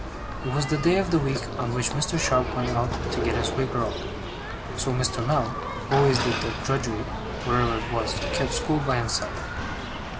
It was the day of the week on which Mr. Sharp went out to get his wig curled; so Mr. Mell, who always did the drudgery, whatever it was, kept school by himself.